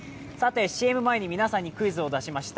ＣＭ前に皆さんにクイズを出しました。